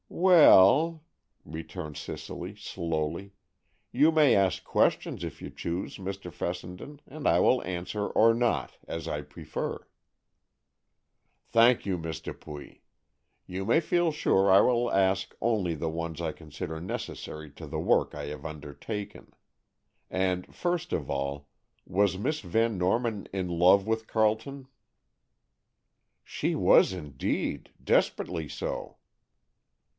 "Well," returned Cicely slowly, "you may ask questions, if you choose, Mr. Fessenden, and I will answer or not, as I prefer." "Thank you, Miss Dupuy. You may feel sure I will ask only the ones I consider necessary to the work I have undertaken. And first of all, was Miss Van Norman in love with Carleton?" "She was indeed, desperately so."